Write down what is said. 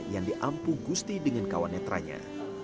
yang diampung gusti dengan kawan netranya